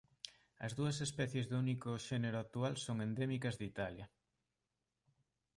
As dúas especies do único xénero actual son endémicas de Italia.